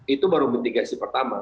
itu baru mitigasi pertama